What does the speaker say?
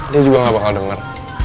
dia juga gak bakal denger